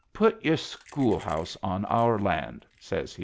" Put your school house on our land," says he.